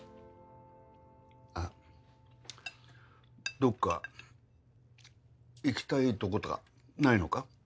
どっか行きたいとことかないのか？